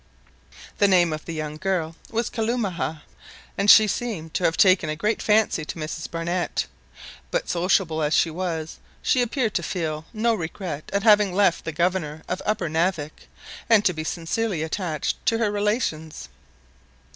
The name of the young girl was Kalumah, and she seemed to have taken a great fancy to Mrs Barnett. But sociable as she was, she appeared to feel no regret at having left the governor of Upper Navik, and to be sincerely attached to her relations.